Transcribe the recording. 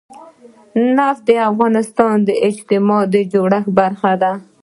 نفت د افغانستان د اجتماعي جوړښت برخه ده.